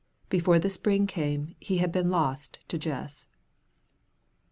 Before the spring came he had been lost to Jess.